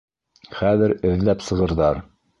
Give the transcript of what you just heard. Хәҙер эҙләп сығырҙар.